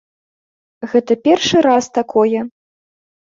Гэта першы раз такое.